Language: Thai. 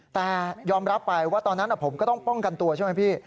แต่ยอมรับไปว่าตอนนั้นผมก็ต้องป้องกันตัวใช่ไหมพี่